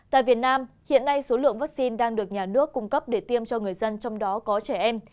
tại việt nam hiện nay số lượng vaccine đang được nhà nước cung cấp để tiêm cho người dân trong đó có trẻ em